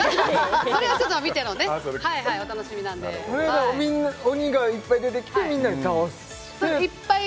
それはちょっと見てのねお楽しみなんで鬼がいっぱい出てきてみんなで倒すいっぱい